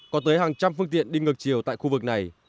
có tới hàng trăm phương tiện đi ngược chiều tại khu vực này